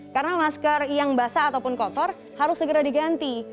karena masker yang basah ataupun kotor harus segera diganti